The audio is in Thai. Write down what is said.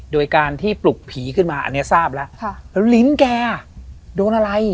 โดยการที่ปลุกผีขึ้นมาอันนี้ทราบแล้วแล้วลิ้นแกโดนอะไร